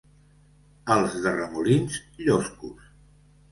Els de Remolins, lloscos.